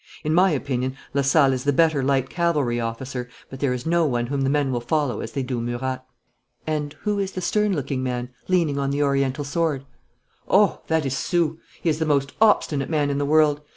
In my opinion Lasalle is the better light cavalry officer, but there is no one whom the men will follow as they do Murat.' 'And who is the stern looking man, leaning on the Oriental sword?' 'Oh, that is Soult! He is the most obstinate man in the world.